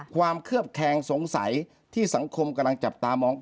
เคลือบแคงสงสัยที่สังคมกำลังจับตามอง